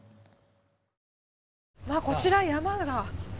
わあこちら山が。